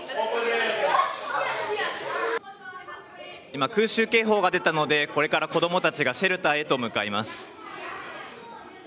今、空襲警報が出たので、これから子どもたちがシェルターへと向かいます。